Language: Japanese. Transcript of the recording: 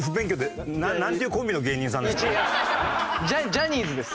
ジャニーズです。